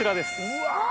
うわ！